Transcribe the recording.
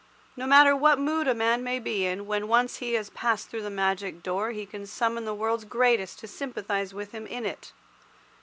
No matter what mood a man may be in, when once he has passed through the magic door he can summon the world's greatest to sympathize with him in it.